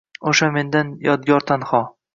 O’sha mendan yodgor tanho.